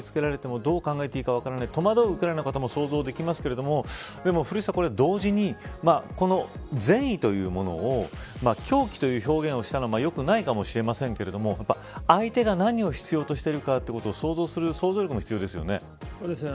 ウクライナの方も想像できますがでも古市さん同時に善意というものを狂気という表現をしたのはよくないかもしれませんが相手が何を必要としているかということを想像する想像力も必要ですね。